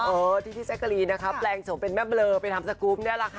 เออที่ใส่กะลีนะครับแปลงโฉมเป็นแม่เบลอไปทำสกุฟนี่แหละค่ะ